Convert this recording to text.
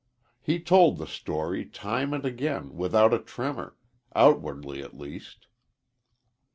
He told the story, time and again, without a tremor, outwardly at least.